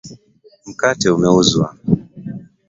Mkate umeuzwa.